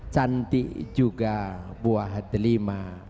cantik juga buah delima